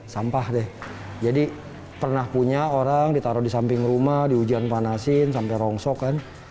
sampah deh jadi pernah punya orang ditaruh di samping rumah dihujan panasin sampai rongsokan